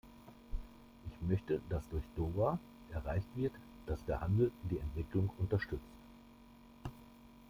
Ich möchte, dass durch Doha erreicht wird, dass der Handel die Entwicklung unterstützt.